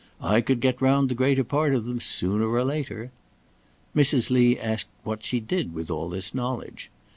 I could get round the greater part of them, sooner or later." Mrs. Lee asked what she did with all this knowledge. Mrs.